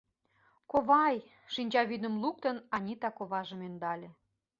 — Ковай! — шинчавӱдым луктын, Анита коважым ӧндале.